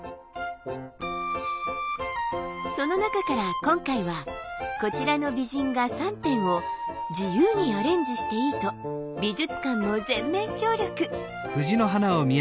その中から今回はこちらの美人画３点を自由にアレンジしていいと美術館も全面協力。